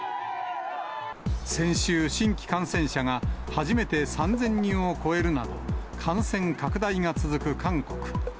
先週、新規感染者が初めて３０００人を超えるなど、感染拡大が続く韓国。